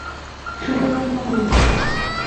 শুভ জন্মদিন!